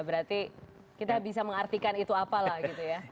berarti kita bisa mengartikan itu apa lah gitu ya